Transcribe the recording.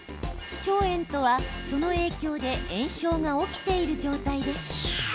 腸炎とは、その影響で炎症が起きている状態です。